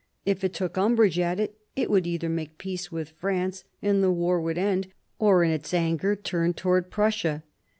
If it took umbrage at it, it would either make peace with France and the war would end, or in its anger turn towards Prussia.